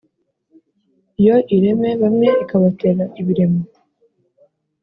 Yo irema bamwe ikabatera ibiremo?